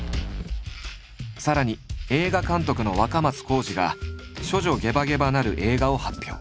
さらに映画監督の若松孝二が「処女ゲバゲバ」なる映画を発表。